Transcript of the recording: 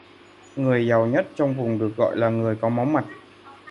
Người giàu nhất trong vùng được gọi là người có máu mặt